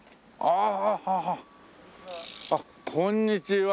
あっこんにちは。